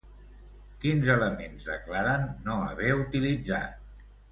Quins elements declaren no haver utilitzat?